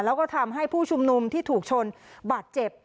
แล้วก็ทำให้ผู้ชุมนุมที่ถูกชนบาดเจ็บ